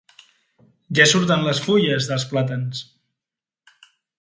Ja surten les fulles dels plàtans.